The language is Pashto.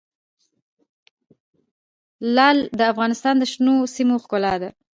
لعل د افغانستان د شنو سیمو ښکلا ده.